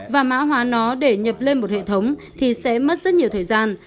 và mã hóa nó để nhập lên một hệ thống thì sẽ mất rất nhiều thời gian